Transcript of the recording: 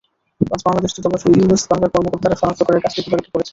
আজ বাংলাদেশ দূতাবাস ও ইউএস বাংলার কর্মকর্তারা শনাক্ত করার কাজটি তদারকি করছেন।